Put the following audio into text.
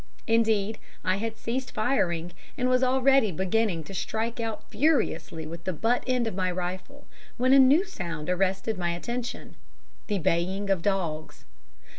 Indeed I had ceased firing, and was already beginning to strike out furiously with the butt end of my rifle, when a new sound arrested my attention. The baying of dogs!